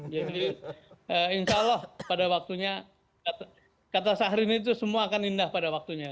jadi insya allah pada waktunya kata sahri ini itu semua akan indah pada waktunya